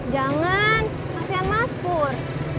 jangan kasian mas pur